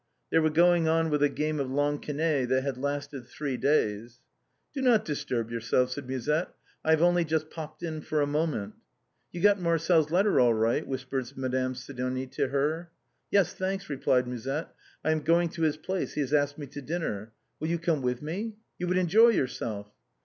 They were going on with a game of lansquenet that had lasted three days. " Do not disturb yourselves," said Musette ;" I have only just popped in for a moment." " You got Marcel's letter all right ?" whispered Madame Sidonie to her. " Yes, thanks," replied Musette ;" I am going to his place, he has asked me to dinner. Will you come with me ? You would enjoy yourself."